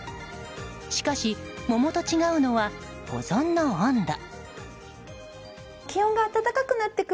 しかし、桃と違うのは保存の温度。